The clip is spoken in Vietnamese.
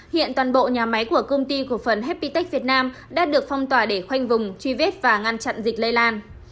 hiện toàn bộ nhà máy của công ty của phần happy tech việt nam đã được phong tỏa để khoanh vùng truy vết và ngăn chặn dịch lây lan